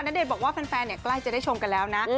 เดชบอกว่าแฟนใกล้จะได้ชมกันแล้วนะ